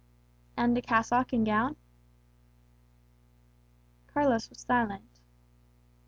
"And a cassock and gown?" Carlos was silent.